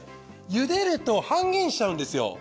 ゆでると半減しちゃうんですよ。